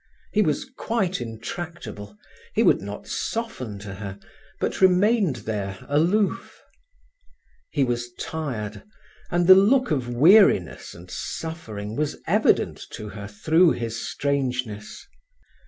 He was quite intractable; he would not soften to her, but remained there aloof. He was tired, and the look of weariness and suffering was evident to her through his strangeness.